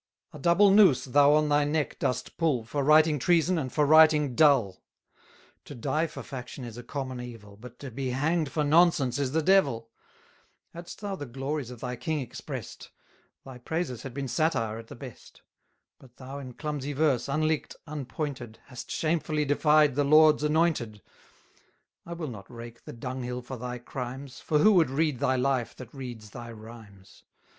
A double noose thou on thy neck dost pull, For writing treason, and for writing dull; To die for faction is a common evil, But to be hang'd for nonsense is the devil: Hadst thou the glories of thy king express'd, 500 Thy praises had been satire at the best; But thou in clumsy verse, unlick'd, unpointed, Hast shamefully defied the Lord's anointed: I will not rake the dunghill for thy crimes, For who would read thy life that reads thy rhymes?